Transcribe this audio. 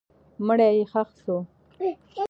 مړی یې ښخ سو.